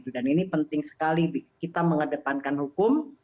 dan ini penting sekali kita mengedepankan hukum